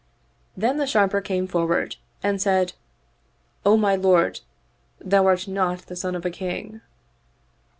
Then the Sharper came forward and said, " O my lord, thou art not the son of a king."